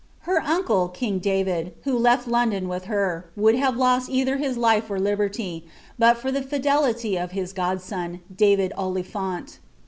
Her uncle, king David, who left London with her, would ttavo JMt either his life or liberty, but for the fidelity of his godson, Daiid Ot phount.